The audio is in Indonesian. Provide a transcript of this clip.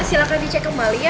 silahkan dicek kembali ya